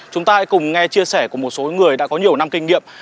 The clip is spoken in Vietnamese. chúng ta hãy cùng nghe chia sẻ của một số người đã có nhiều năm kinh nghiệm